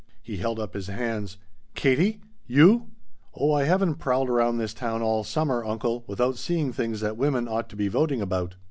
He held up his hands. "Katie? You?" "Oh I haven't prowled around this town all summer, uncle, without seeing things that women ought to be voting about."